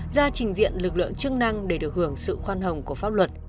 ra trình diện lực lượng chức năng để được hưởng sự khoan hồng của pháp luật